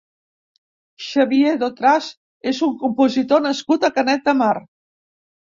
Xavier Dotras és un compositor nascut a Canet de Mar.